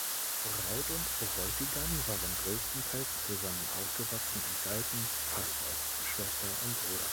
Braut und Bräutigam waren größtenteils zusammen aufgewachsen und galten fast als Schwester und Bruder.